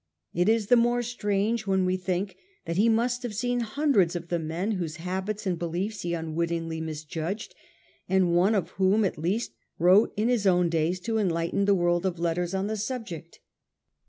It is the more strange when we think that he must have seen hundreds of the men whose habits and beliefs he imwittingly misjudged, and one of whom at least wrote in his own days to enlighten the world of letters on the subject.